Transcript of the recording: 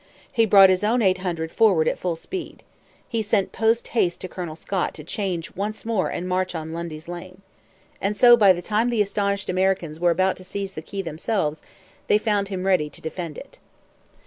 He brought his own eight hundred forward at full speed. He sent post haste to Colonel Scott to change once more and march on Lundy's Lane. And so, by the time the astonished Americans were about to seize the key themselves, they found him ready to defend it.